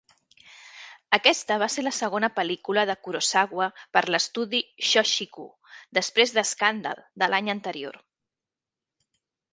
Aquesta va ser la segona pel·lícula de Kurosawa per a l'estudi Shochiku, després d'"Scandal", de l'any anterior.